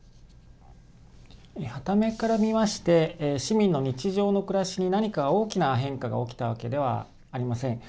はた目から見まして市民の日常の暮らしに何か大きな変化が起きたわけではありません。